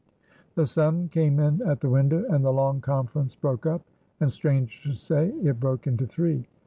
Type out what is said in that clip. The sun came in at the window, and the long conference broke up, and, strange to say, it broke into three.